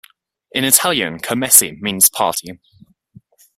In Italian "kermesse" means party.